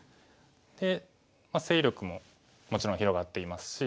で勢力ももちろん広がっていますし。